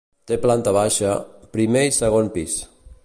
Té planta baixa, primer i segon pis.